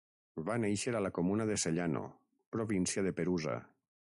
Va néixer a la comuna de Sellano, província de Perusa.